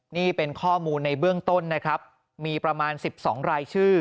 นี่เป็นข้อมูลในเบื้องต้นนะครับมีประมาณ๑๒รายชื่อ